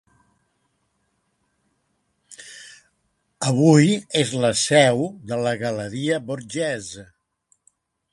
Avui és la seu de la Galeria Borghese.